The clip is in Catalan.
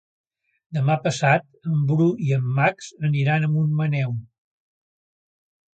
Demà passat en Bru i en Max aniran a Montmaneu.